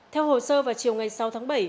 theo hồ sơ vào chiều ngày sáu tháng bảy